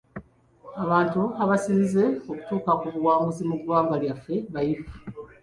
Abantu abasinze okutuuka ku buwanguzi mu ggwanga lyaffe bayivu.